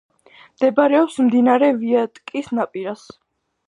მდებარეობს მდინარე ვიატკის ნაპირას.